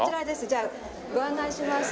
じゃあご案内します。